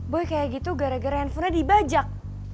gue kayak gitu gara gara handphonenya dibajak